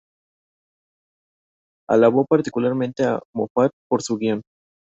Alabó particularmente a Moffat por su guion.